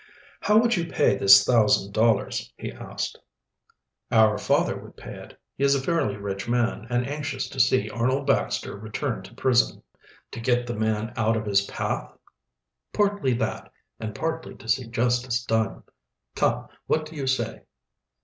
"How would you pay this thousand dollars?" he asked. "Our father would pay it. He is a fairly rich man, and anxious to see Arnold Baxter returned to prison." "To get the man out of his path?" "Partly that, and partly to see justice done. Come, what do you say?"